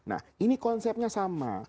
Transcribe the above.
nah ini konsepnya sama